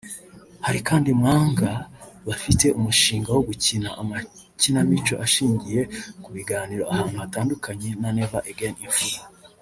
Hari kandi Mwanga bafite umushinga wo gukina amakinamico ashingiye ku biganiro ahantu hatandukanye na Never Again Imfura